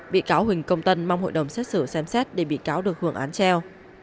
bị cáo huỳnh công tân mong hội đồng xét xử xem xét để bị cáo được hưởng án treo